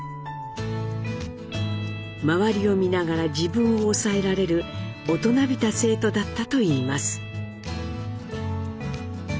周りを見ながら自分を抑えられる大人びた生徒だったといいます。